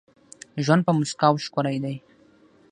ژوند په مسکاوو ښکلی دي.